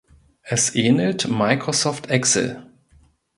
Es ähnelt Microsoft Excel.